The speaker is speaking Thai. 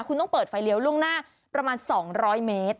คุณต้องเปิดไฟเลี้ยวล่วงหน้าประมาณ๒๐๐เมตร